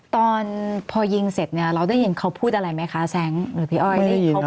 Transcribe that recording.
ตอนพอยิงเสร็จเนี่ยเราได้ยินเขาพูดอะไรไหมคะแซงหรือพี่อ้อย